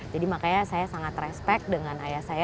jadi makanya saya sangat respect dengan ayah saya